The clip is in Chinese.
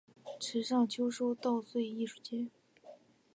池上秋收稻穗艺术节